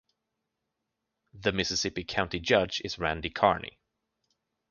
The Mississippi County Judge is Randy Carney.